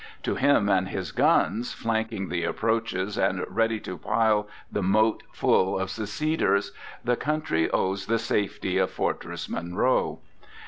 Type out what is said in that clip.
To him and his guns, flanking the approaches and ready to pile the moat full of Seceders, the country owes the safety of Fortress Monroe.